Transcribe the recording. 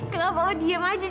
kenapa lo diem aja